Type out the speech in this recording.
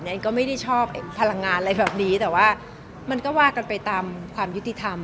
ก็ไม่ได้ชอบพลังงานอะไรแบบนี้แต่ว่ามันก็ว่ากันไปตามความยุติธรรม